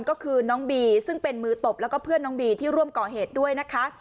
ก็คือน้องบีซึ่งเป็นมือตบแล้วก็เพื่อนน้องบีที่ร่วมก่อเหตุด้วยนะคะ